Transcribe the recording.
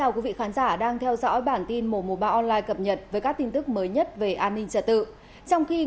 cảm ơn các bạn đã theo dõi